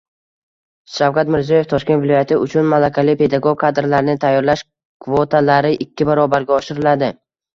Shavkat Mirziyoyev: Toshkent viloyati uchun malakali pedagog kadrlarni tayyorlash kvotalari ikki barobarga oshiriladi